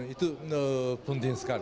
itu penting sekali